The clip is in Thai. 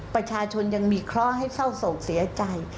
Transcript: ประชาชนยังมีเคราะห์ให้เศร้าโศกเสียใจ